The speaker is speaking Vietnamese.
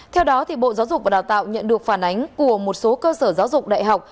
theo đó bộ giáo dục và đào tạo nhận được phản ánh của một số cơ sở giáo dục đại học